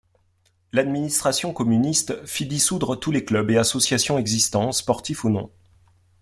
L'administration communiste fit dissoudre tous les clubs et associations existants, sportifs ou non.